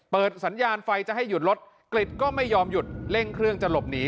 เปิดสัญญาณไฟจะให้หยุดรถกริจก็ไม่ยอมหยุดเร่งเครื่องจะหลบหนี